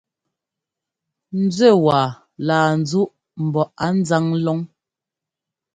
Nzúɛ́ waa laa nzúʼ mbɔ á nzáŋ lɔn.